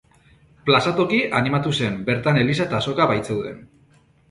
Plaza toki animatu zen, bertan eliza eta azoka baitzeuden.